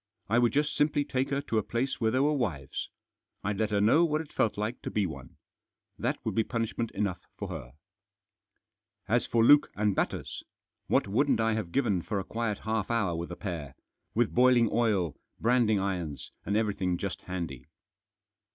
I would just simply take her to a place where there were wives. I'd let her know what it felt like to be one. That would be punishment enough for her. As for Luke and Batters ! What wouldn't I have Digitized by THE TERMINATION OF THE VOYAGE. 287 riven for a quiet half hour with the pair, with boil ing oil, branding irons, and everything just handy.